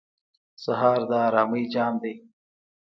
سهار د آرامۍ جام دی.